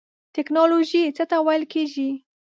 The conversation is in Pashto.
ټیکنالوژی څه ته ویل کیږی؟